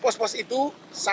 pos pos itu samp yang memastikan